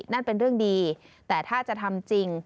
นั่นเป็นเรื่องดีแต่ถ้าจะทำจริง